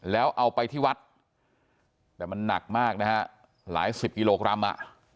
แล้วเอาไปที่วัดแต่มันหนักมากนะฮะหลายสิบกิโลกรัมอ่ะ